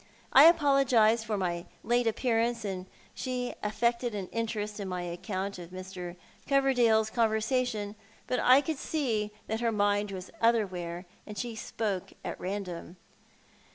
I apologised for my late appearance, and she affected an interest in my account of Mr. Coverdale's conversation : but I could see that her mind was otherwhere, and that she spoke at random.